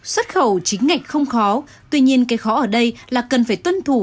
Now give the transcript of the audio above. xuất khẩu chính ngạch không khó tuy nhiên cái khó ở đây là cần phải tuân thủ